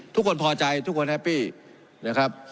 ทุกคนพอใจทุกคนแฮปปี้นะครับ